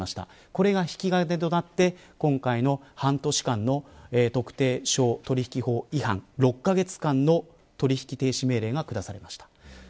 これが引き金となって今回の半年間の特定商取引法違反、６カ月間の取引停止命令が下されました。